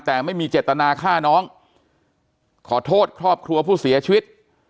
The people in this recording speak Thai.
แต่ไม่มีเจตนาฆ่าน้องขอโทษครอบครัวผู้เสียชีวิต